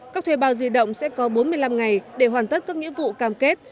các thuê bao di động sẽ có bốn mươi năm ngày để hoàn tất các nghĩa vụ cam kết